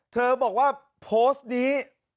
เธอบอกว่าโพสต์นี้